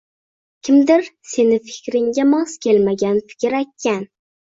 Kimdur seni fikringa mos kelmagan fikr aytgan